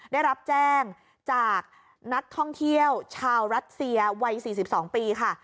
ได้รับแจ้งจากนักท่องเที่ยวชาวรัสเซียวัย๔๒ปีค่ะ